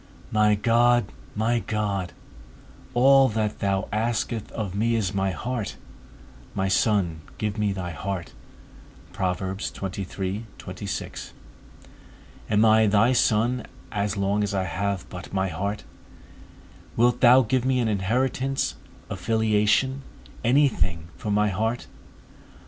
My God, my God, all that thou askest of me is my heart, My Son, give me thy heart. Am I thy Son as long as I have but my heart? Wilt thou give me an inheritance, a filiation, any thing for my heart?